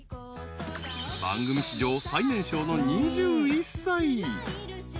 ［番組史上最年少の２１歳］